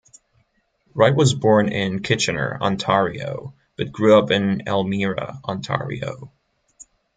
Wright was born in Kitchener, Ontario, but grew up in Elmira, Ontario.